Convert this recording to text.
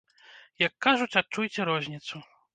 Як кажуць, адчуйце розніцу!